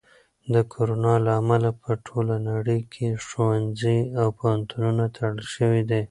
د کرونا له امله په ټوله نړۍ کې ښوونځي او پوهنتونونه تړل شوي دي.